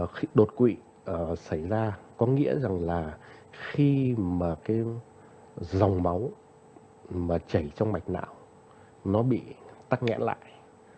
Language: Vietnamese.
khi đột quỵ xảy ra có nghĩa rằng là khi mà cái dòng máu mà chảy trong mạch não nó bị tắc nghẽn lại